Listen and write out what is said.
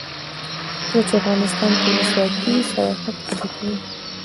کله چې افغانستان کې ولسواکي وي سیاحت وده کوي.